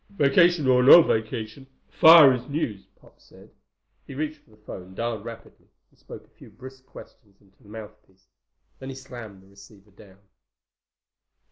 "Vacation or no vacation, a fire is news," Pop said. He reached for the phone, dialed rapidly, and spoke a few brisk questions into the mouthpiece. Then he slammed the receiver down.